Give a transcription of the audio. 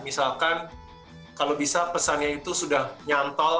misalkan kalau bisa pesannya itu sudah nyantol